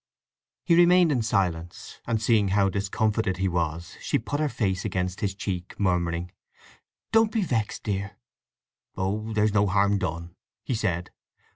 He remained in silence; and seeing how discomfited he was she put her face against his cheek, murmuring, "Don't be vexed, dear!" "Oh—there's no harm done," he said.